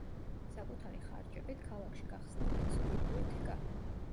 საკუთარი ხარჯებით ქალაქში გახსნა უფასო ბიბლიოთეკა.